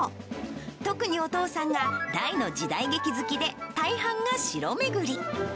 特にお父さんが大の時代劇好きで、大半が城巡り。